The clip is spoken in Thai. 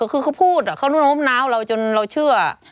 คือเขาพูดเขาโน้มน้าวเราจนเราเชื่อ